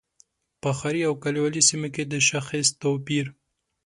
په ښاري او کلیوالي سیمو کې د شاخص توپیر.